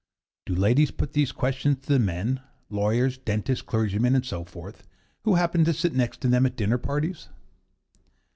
Do ladies put these questions to the men lawyers, dentists, clergymen, and so forth who happen to sit next them at dinner parties?